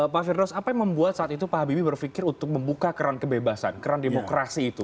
pak firdaus apa yang membuat saat itu pak habibie berpikir untuk membuka keran kebebasan keran demokrasi itu